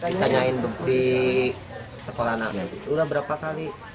di tanyain di sekolah nanti itu berapa kali